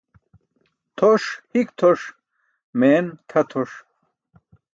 Tʰoṣ hik tʰoṣ, meen tʰa tʰoṣ.